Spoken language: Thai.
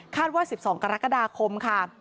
ว่า๑๒กรกฎาคมค่ะ